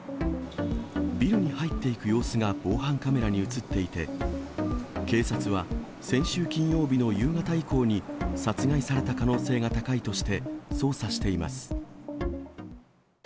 ビルに入っていく様子が防犯カメラに写っていて、警察は、先週金曜日の夕方以降に殺害された可能性が高いとして、捜査しています。